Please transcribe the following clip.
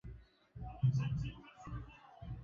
Hizi nazo njema kazi, yafaa uzibaini